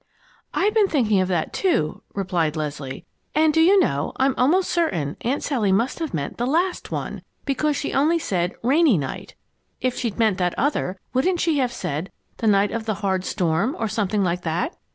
"I've been thinking of that, too," replied Leslie. "And, do you know, I'm almost certain Aunt Sally must have meant the last one, because she only said 'rainy' night. If she'd meant that other, wouldn't she have said 'the night of the hard storm,' or something like that?